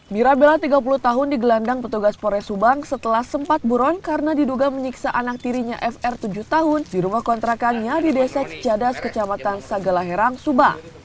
mira bila tiga puluh tahun digelandang petugas polres subang setelah sempat buron karena diduga menyiksa anak tirinya fr tujuh tahun di rumah kontrakannya di desa cicadas kecamatan sagalahherang subang